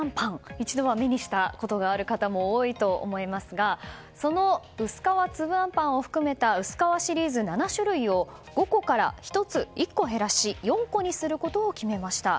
一度は目にしたことがある方も多いと思いますがその薄皮つぶあんぱんを含めた薄皮シリーズ７種類を、５個から１個減らし４個にすることを決めました。